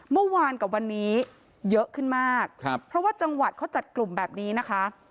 เมื่อวานกับวันนี้เยอะขึ้นมากครับเพราะว่าจังหวัดเขาจัดกลุ่มแบบนี้นะคะ